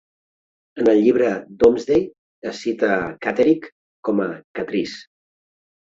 En el Llibre de Domesday es cita a Catterick com a "Catrice".